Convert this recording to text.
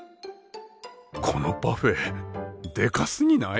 このパフェでかすぎない？